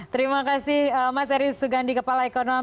terima kasih mas eris sugandi kepala ekonomi